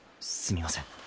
すみません。